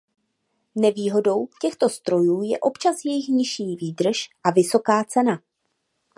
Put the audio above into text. Nevýhodou těchto strojů je občas jejich nižší výdrž a vysoká cena.